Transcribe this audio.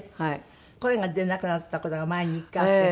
声が出なくなった事が前に一回あって。